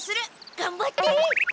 がんばって！